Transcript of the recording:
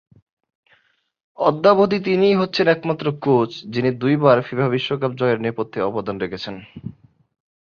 অদ্যাবধি তিনিই হচ্ছেন একমাত্র কোচ যিনি দুইবার ফিফা বিশ্বকাপ জয়ের নেপথ্যে অবদান রেখেছেন।